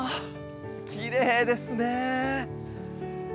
きれいですね。